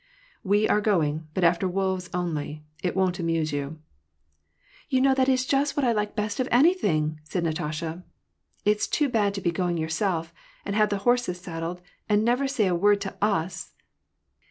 " We are going ; but after wolves only : it wouldn't amuse you." " You know that is just what I like best of anything," said Natasha. " IVs too bad to be going yourself, and to have the horses saddled, and say never a word to us